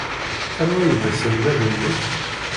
Anwa ay d aselmad-nnek?